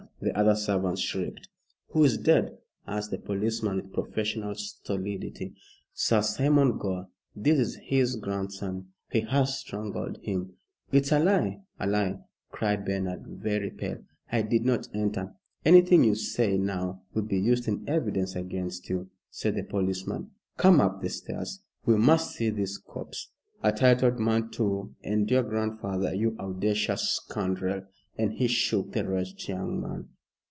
the other servants shrieked. "Who is dead?" asked the policeman, with professional stolidity. "Sir Simon Gore. This is his grandson. He has strangled him." "It's a lie a lie!" cried Bernard, very pale. "I did not enter " "Anything you say now will be used in evidence against you," said the policeman. "Come up the stairs, we must see this corpse. A titled man, too, and your grandfather you audacious scoundrel!" and he shook the wretched young man.